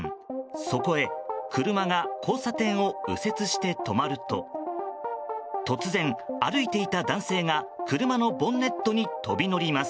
そこへ車が交差点を右折して止まると突然、歩いていた男性が車のボンネットに飛び乗ります。